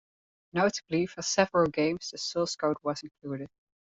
Notably, for several games the source code was included.